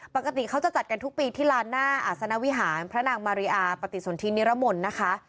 ปกติเขาจะจัดกันทุกปีที่ลานหน้าอาศนวิหารพระนางมาริอาปฏิสนทินิรมนต์นะคะ